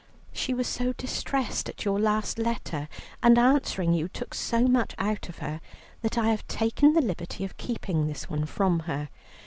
She was so much distressed at your last letter, and answering you took so much out of her, that I have taken the liberty of keeping this one from her.